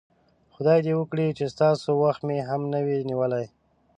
خدای دې وکړي چې ستاسو وخت مې هم نه وي نیولی.